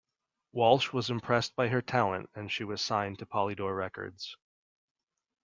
Walsh was impressed by her talent and she was signed to Polydor Records.